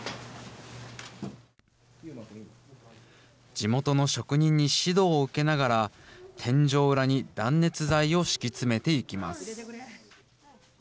地元の職人に指導を受けながら、天井裏に断熱材を敷き詰めていきます。